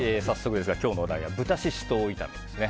今日のお題は豚シシトウ炒めですね。